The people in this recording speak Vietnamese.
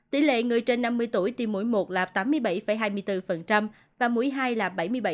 tỷ lệ người trên năm mươi tuổi tiêm mũi một là tám mươi bảy hai mươi bốn và mũi hai là bảy mươi bảy